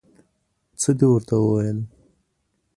څه دې ورته وویل؟